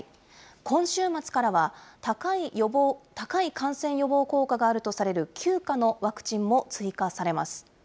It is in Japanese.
今週末からは、高い感染予防効果があるとされる９価のワクチンも追加されます。